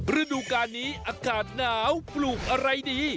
ฤดูการนี้อากาศหนาวปลูกอะไรดี